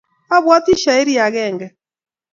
abwoti shairi akenge